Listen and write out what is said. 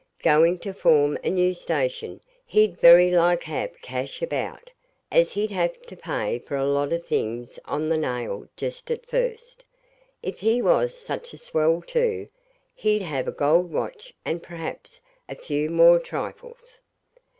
Going to form a new station, he'd very like have cash about, as he'd have to pay for a lot of things on the nail just at first. If he was such a swell too, he'd have a gold watch and perhaps a few more trifles.